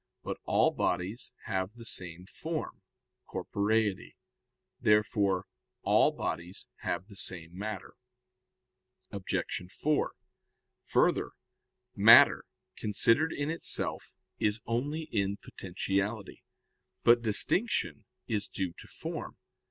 But all bodies have the same form, corporeity. Therefore all bodies have the same matter. Obj. 4: Further, matter, considered in itself, is only in potentiality. But distinction is due to form.